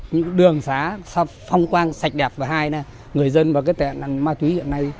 những đường xá phong quang sạch đẹp và hai người dân và tệ nạn ma túy hiện nay